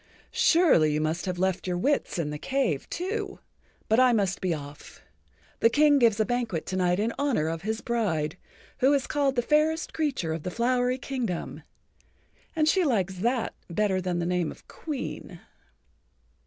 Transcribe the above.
"Surely you must have left your wits in the cave too. But I[Pg 59] must be off. The King gives a banquet to night in honor of his bride, who is called the Fairest Creature of the Flowery Kingdom. And she likes that better than the name of Queen."